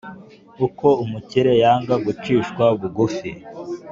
Uko umukire yanga gucishwa bugufi,